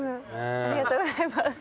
ありがとうございます。